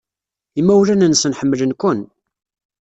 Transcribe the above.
Imawlan-nsen ḥemmlen-ken.